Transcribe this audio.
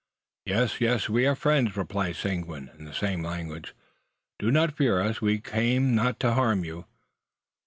"Yes, yes; we are friends," replies Seguin, in the same language. "Do not fear us! We came not to harm you."